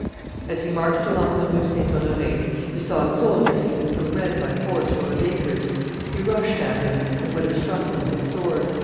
As he marched along the Rue St. Honore, he saw a soldier taking some bread by force from a baker's; he rushed at him, and would have struck him with his sword.